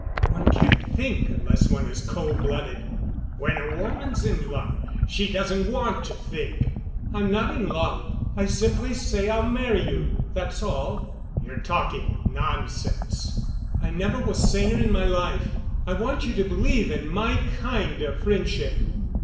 "One can't think unless one is cold blooded." "When a woman's in love she doesn't want to think." "I'm not in love—I simply say I'll marry you, that's all." "You're talking nonsense." "I never was saner in my life. I want you to believe in my kind of friendship."